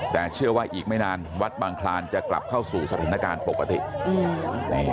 แต่เชื่อว่าอีกไม่นานวัดบางคลานจะกลับเข้าสู่สถานการณ์ปกติ